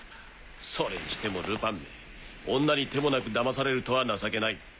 それにしてもルパンめ女に手もなくだまされるとは情けない。